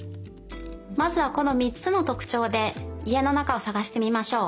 まずはこのみっつのとくちょうで家の中をさがしてみましょう。